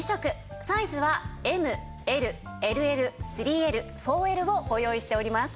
サイズはＭＬＬＬ３Ｌ４Ｌをご用意しております。